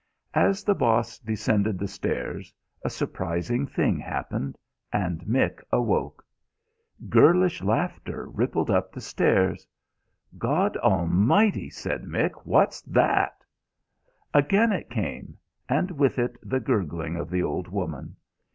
As the Boss descended the stairs, a surprising thing happened and Mick awoke. Girlish laughter rippled up the stairs! "God Almighty," said Mick, "what's that?" Again it came, and with it the gurgling of the old woman.